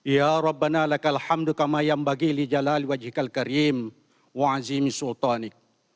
ya rabbana lakal hamdukama yang bagi li jalal wajihkal karim wa azimi sultanik